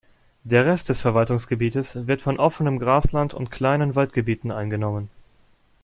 Der Rest des Verwaltungsgebietes wird von offenem Grasland und kleinen Waldgebieten eingenommen.